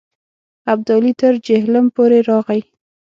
ابدالي تر جیهلم پورې راغی.